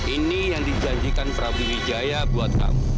ini yang dijanjikan prabu wijaya buat kamu